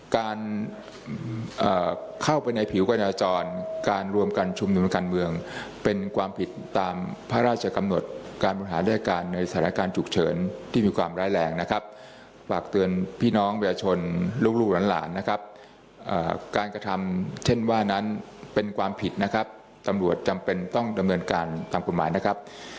การเข้าไปในผิวการจราจรการรวมกันชุมนุมการเมืองเป็นความผิดตามพระราชกำหนดการบริหารราชการในสถานการณ์ฉุกเฉินที่มีความร้ายแรงนะครับฝากเตือนพี่น้องประชาชนลูกหลานนะครับการกระทำเช่นว่านั้นเป็นความผิดนะครับตำรวจจำเป็นต้องดำเนินการตามกฎหมายนะครับ